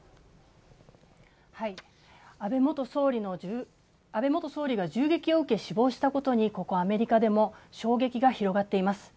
安倍元総理が銃撃を受け死亡したことにここアメリカでも衝撃が広がっています。